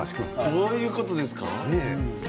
どういうことですか？